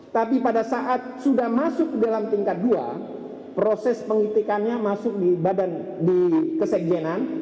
tapi pada saat sudah masuk ke dalam tingkat dua proses pengitikannya masuk di kesetjenan